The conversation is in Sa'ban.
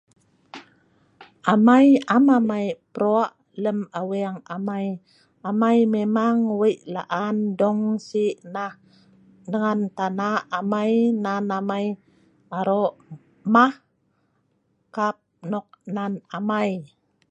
Amai, am amai pro', lem aweng amai. Amai memang wei' laan dong sinah. Nan tana amai nan amai aro' mah', kap nok nan amai.